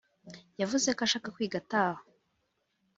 yavuze ko ashaka kwiga ataha